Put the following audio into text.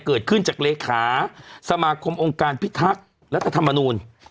เกิดขึ้นจากเลขาสมาคมองค์การพิทักษ์รัฐธรรมนูล